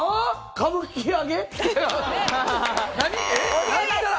歌舞伎揚？